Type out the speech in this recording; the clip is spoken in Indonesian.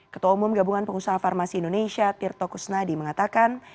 ketua umum gabungan pengusaha farmasi indonesia tirto kusnadi mengatakan